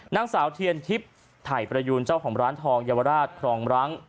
นางสาวเทียนทิพย์ไถ่ประยูนเจ้าของร้านทองเยาวราชครองรัง